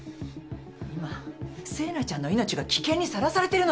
今星名ちゃんの命が危険にさらされてるの。